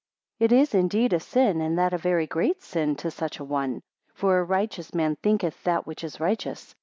10 It is indeed a sin, and that a very great sin, to such a one; for a righteous man thinketh that which is righteous.